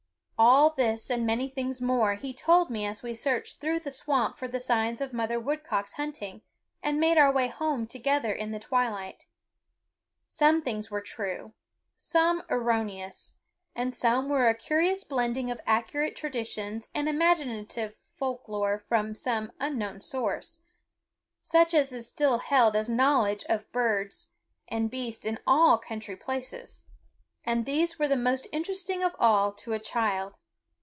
All this and many things more he told me as we searched through the swamp for the signs of Mother Woodcock's hunting and made our way home together in the twilight. Some things were true, some erroneous; and some were a curious blending of accurate traditions and imaginative folk lore from some unknown source, such as is still held as knowledge of birds and beasts in all country places; and these were the most interesting of all to a child.